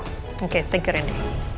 oke terima kasih randy